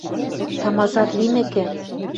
Тамазар лимӹкӹ